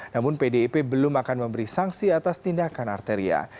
namun pdip belum akan memberi sanksi atas tindakan arteria